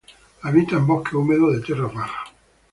Habita en bosques húmedos de tierras bajas.